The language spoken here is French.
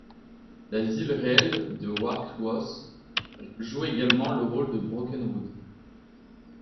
La ville réelle de Warkworth joue également le rôle de Brokenwood.